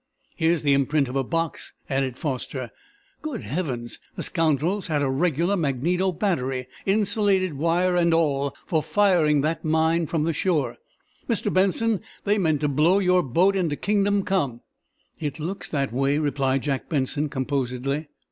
"Here's the imprint of a box," added Foster. "Good heavens, the scoundrels had a regular magneto battery, insulated wire and all, for firing that mine from the shore. Mr. Benson, they meant to blow your boat into Kingdom Come!" "It looks that way," replied Jack Benson, composedly.